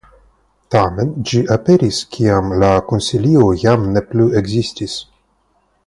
Tamen ĝi aperis kiam la Konsilio jam ne plu ekzistis.